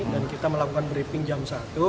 dan kita melakukan briefing jam satu